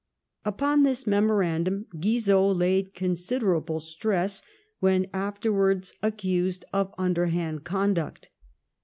Upon this memorandum Guizot laid considerable stress when afterwards accused of underhand conduct.